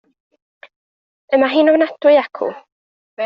Y mae hi'n ofnadwy acw.